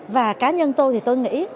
và cá nhân tôi thì tôi nghĩ